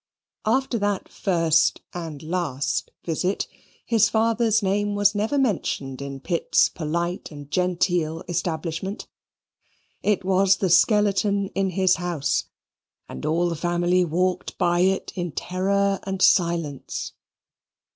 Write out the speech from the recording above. After that first and last visit, his father's name was never mentioned in Pitt's polite and genteel establishment. It was the skeleton in his house, and all the family walked by it in terror and silence.